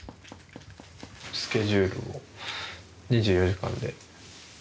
スケジュールを２４時間で。